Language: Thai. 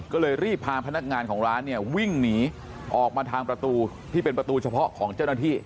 ก็เลยรีบพาพนักงานของร้านเนี่ยวิ่งหนีออกมาทางประตูที่เป็นประตูเฉพาะของเจ้าหน้าที่